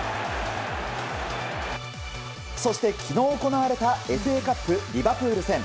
そして、昨日行われたＦＡカップ、リバプール戦。